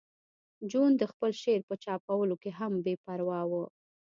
جون د خپل شعر په چاپولو کې هم بې پروا و